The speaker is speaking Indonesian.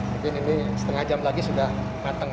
jadi ini setengah jam lagi sudah mateng